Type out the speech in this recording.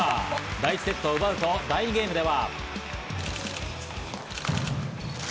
第１セットを奪うと第２ゲームでは。